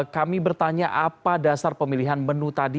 kami bertanya apa dasar pemilihan menu tadi